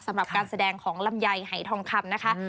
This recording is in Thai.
สำหรับการแสดงของลำไยหายทองคำนะคะ